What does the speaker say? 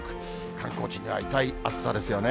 観光地には痛い暑さですよね。